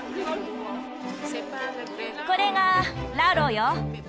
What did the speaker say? これがラロよ。